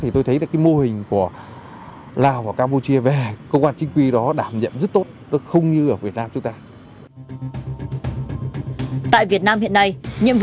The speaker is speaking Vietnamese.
tôi thấy mô hình công an cơ sở là một trong những điều kiện khác